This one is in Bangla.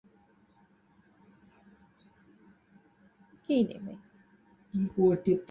এখানে চলছেটা কী?